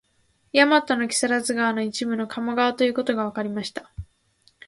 大和の木津川の一部分を鴨川といったことがわかりました